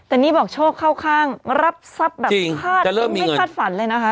แต่นี่บอกโชคเข้าข้างรับทรัพย์แบบคาดไม่คาดฝันเลยนะคะ